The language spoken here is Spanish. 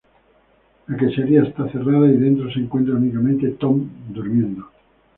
La quesería está cerrada y dentro se encuentra únicamente Tom durmiendo.